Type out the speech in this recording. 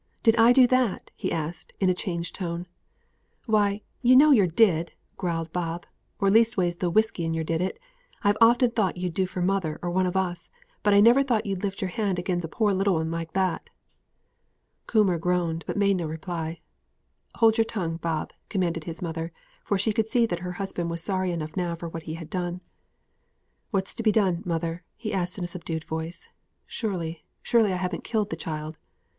Did I do that?" he asked, in a changed voice. "Why, yer know yer did," growled Bob; "or leastways the whisky in yer did it. I've often thought you'd do for mother, or one of us; but I never thought yer'd lift yer hand agin a poor little 'un like that." Coomber groaned, but made no reply. "Hold your tongue, Bob," commanded his mother; for she could see that her husband was sorry enough now for what he had done. "What's to be done, mother?" he asked, in a subdued voice; "surely, surely I haven't killed the child!"